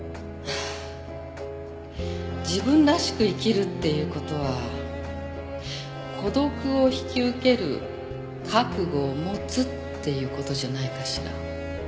自分らしく生きるっていう事は孤独を引き受ける覚悟を持つっていう事じゃないかしら。